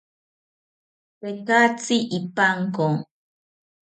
Tekatzi ipanko